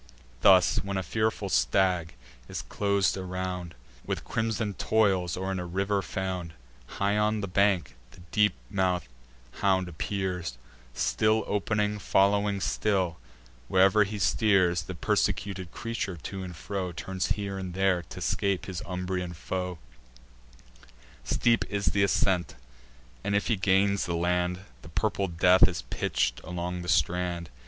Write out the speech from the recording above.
Thus, when a fearful stag is clos'd around With crimson toils, or in a river found, High on the bank the deep mouth'd hound appears, Still opening, following still, where'er he steers; The persecuted creature, to and fro, Turns here and there, to scape his Umbrian foe: Steep is th' ascent, and, if he gains the land, The purple death is pitch'd along the strand.